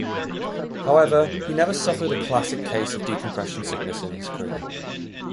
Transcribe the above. However, he never suffered a classic case of decompression sickness in his career.